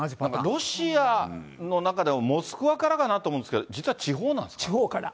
ロシアの中でもモスクワからかなと思うんですけれども、地方から。